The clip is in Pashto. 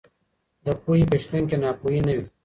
د پوهې په شتون کې ناپوهي نه وي.